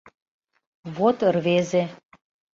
Вот рвезе.